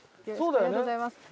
ありがとうございます。